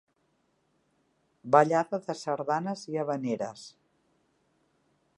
Ballada de sardanes i havaneres.